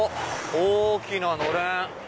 大きなのれん。